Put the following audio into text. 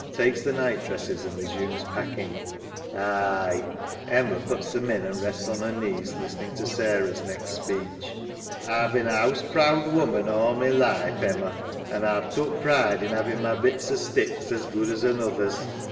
Takes the night dresses, and resumes packing. SARAH. Aye. (Emma puts them in and rests on her knees listening to Sarah's next speech. Pause) A've been a 'ouseproud woman all my life, Emma, an A've took pride in 'aving my bits o' sticks as good as another's.